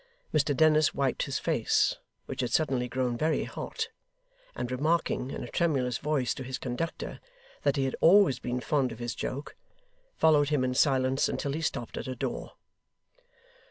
Mr Dennis wiped his face, which had suddenly grown very hot, and remarking in a tremulous voice to his conductor that he had always been fond of his joke, followed him in silence until he stopped at a door.